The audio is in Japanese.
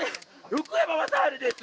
福山雅治です